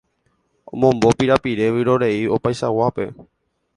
Omombo pirapire vyrorei opaichaguápe